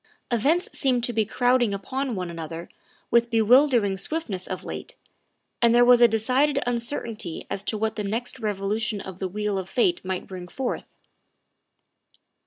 Events seemed to be crowding upon one another with bewildering swiftness of late, and there was a decided uncertainty as to what the next revolution of the wheel of fate might bring forth.